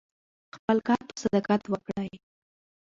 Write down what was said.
خپل کار په صداقت وکړئ.